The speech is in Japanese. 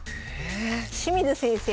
清水先生